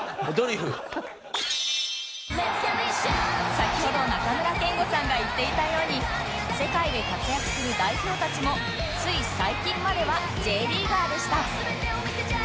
先ほど中村憲剛さんが言っていたように世界で活躍する代表たちもつい最近までは Ｊ リーガーでした